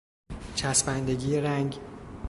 چسبندگی رنگ